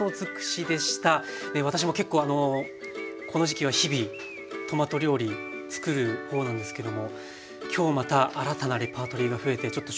私も結構この時期は日々トマト料理つくる方なんですけども今日また新たなレパートリーが増えてちょっと食卓が豊かになりそうです。